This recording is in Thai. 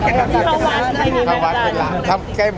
นี่ประวัติคืออะไรนี่ประวัติคืออะไร